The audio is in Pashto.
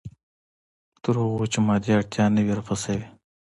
تر هغې چې مادي اړتیا نه وي رفع شوې.